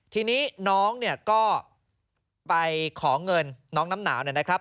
ทีนี้น้องก็ไปของเงินน้องน้ำหนาวนะครับ